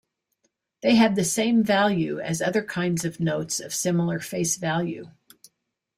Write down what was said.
They had the same value as other kinds of notes of similar face value.